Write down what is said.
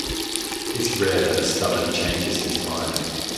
It’s rare that a stubborn changes his mind.